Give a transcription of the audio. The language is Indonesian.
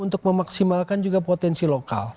untuk memaksimalkan juga potensi lokal